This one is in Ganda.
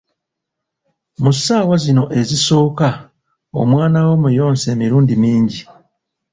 Mu ssaawa zino ezisooka, omwana wo muyonse emirundi mingi.